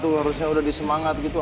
harusnya udah disemangat gitu